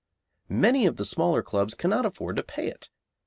Many of the smaller clubs cannot afford to pay it.